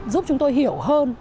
giúp chúng tôi hiểu hơn